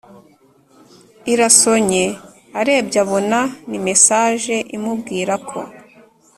irasonye arebye abona ni message imubwira ko